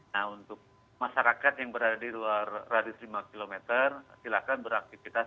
nah untuk masyarakat yang berada di luar radius lima km silakan beraktivitas